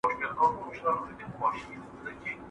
دووسه چي يو وار ورسې، نو بيا ولي مرور سې؟